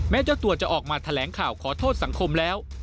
เจ้าตัวจะออกมาแถลงข่าวขอโทษสังคมแล้ว